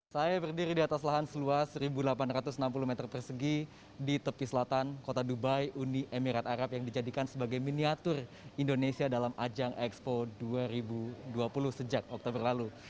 saya berdiri di atas lahan seluas satu delapan ratus enam puluh meter persegi di tepi selatan kota dubai uni emirat arab yang dijadikan sebagai miniatur indonesia dalam ajang expo dua ribu dua puluh sejak oktober lalu